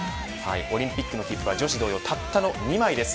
オリンピックの切符は女子同様たった２枚です。